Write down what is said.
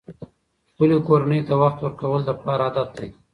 خپلې کورنۍ ته وخت ورکول د پلار عادت دی.